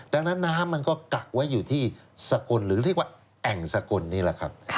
ดังนั้นน้ำมันก็กักไว้อยู่ที่สกลหรือเรียกว่าแอ่งสกลนี่แหละครับ